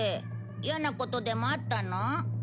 嫌なことでもあったの？